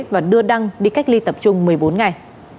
và đưa đăng đi cách ly tập trung một mươi bốn ngày